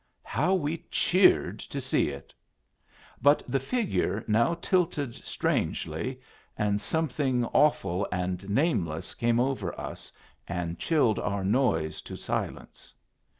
How we cheered to see it! But the figure now tilted strangely, and something awful and nameless came over us and chilled our noise to silence.